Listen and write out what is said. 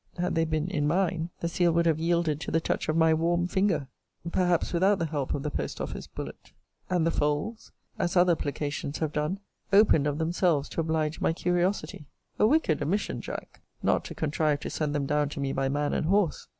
Had they been in mine, the seal would have yielded to the touch of my warm finger, (perhaps without the help of the post office bullet;) and the folds, as other placations have done, opened of themselves to oblige my curiosity. A wicked omission, Jack, not to contrive to send them down to me by man and horse!